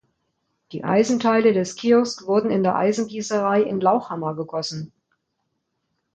Die Eisenteile des Kiosks wurden in der Eisengießerei in Lauchhammer gegossen.